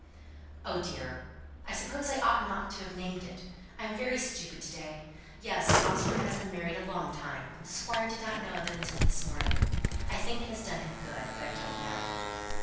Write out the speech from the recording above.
"Oh, dear! I suppose I ought not to have named it. I'm very stupid to day. Yes! Osborne has been married a long time; but the Squire did not know of it until this morning. I think it has done him good. But I don't know."